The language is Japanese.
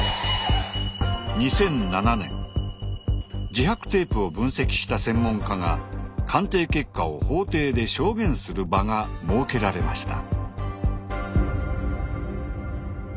自白テープを分析した専門家が鑑定結果を法廷で証言する場が設けられました。